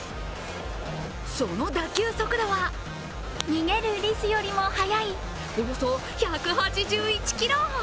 その打球速度は逃げるリスよりも速いおよそ１８１キロ。